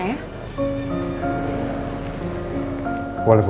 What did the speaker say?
ada masalah pak